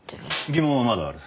疑問はまだある。